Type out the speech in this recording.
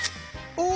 お！